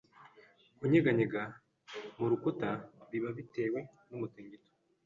Kunyeganyega mu rukuta biba bitewe numutingito